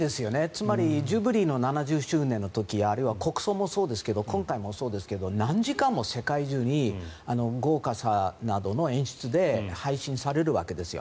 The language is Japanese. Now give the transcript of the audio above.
つまり、ジュビリーの７０周年の時あるいは国葬もそうですが今回もそうですが何時間も世界中に豪華さなどの演出で配信されるわけですよ。